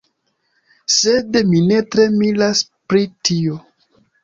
Sed mi ne tre miras pri tio.